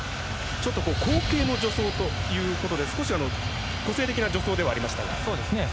ちょっと後傾の助走ということで少し個性的な助走ではありましたが。